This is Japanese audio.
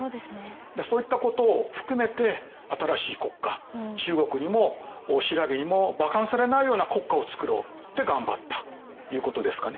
そういったことを含めて新しい国家中国にも新羅にもばかにされないような国家をつくろうって頑張ったということですかね。